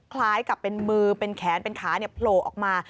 คล้ายกับเป็นมือเป็นแขนเป็นขาโผล่ออกมา